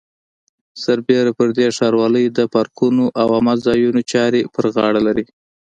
سربېره پر دې ښاروالۍ د پارکونو او عامه ځایونو چارې په غاړه لري.